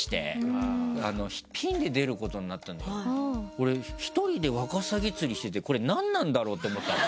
俺一人でワカサギ釣りしててこれ何なんだろう？と思ったもん。